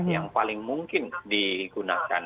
yang paling mungkin digunakan